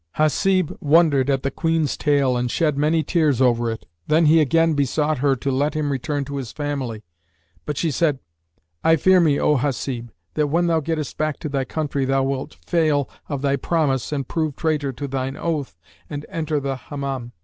Hasib wondered at the Queen's tale and shed many tears over it; then he again besought her to let him return to his family; but she said, "I fear me, O Hasib, that when thou gettest back to thy country thou wilt fail of thy promise and prove traitor to thine oath and enter the Hammam."